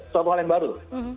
soal hal yang baru